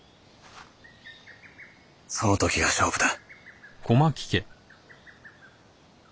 その時が勝負だ。